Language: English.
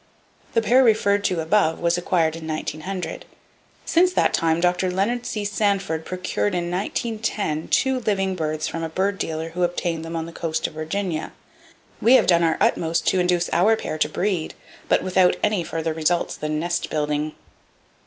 The pair referred to above [Page 20] was acquired in 1900. Since that time, Dr. Leonard C. Sanford procured in 1910 two living birds from a bird dealer who obtained them on the coast of Virginia. We have done our utmost to induce our pair to breed, but without any further results than nest building.